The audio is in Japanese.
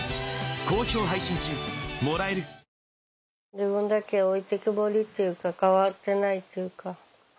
自分だけおいてけぼりっていうか変わってないっていうか。